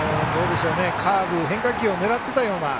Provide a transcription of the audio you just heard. カーブ、変化球を狙っていたような。